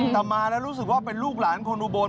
แต่มาแล้วรู้สึกว่าเป็นลูกหลานคนอุบล